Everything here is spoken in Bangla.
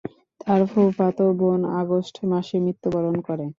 তার ফুফাতো বোন আগস্ট মাসে মৃত্যুবরণ করে।